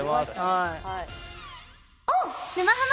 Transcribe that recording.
はい。